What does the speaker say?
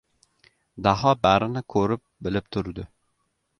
Daho barini ko‘rib-bilib turdi.